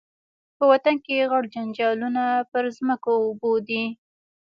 په وطن کي غټ جنجالونه پر مځکو او اوبو دي